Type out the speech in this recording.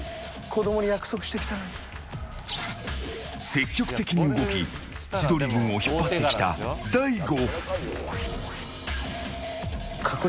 積極的に動き千鳥軍を引っ張ってきた大悟。